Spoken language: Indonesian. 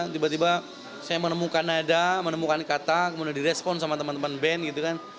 tiba tiba saya menemukan nada menemukan kata kemudian direspon sama teman teman band gitu kan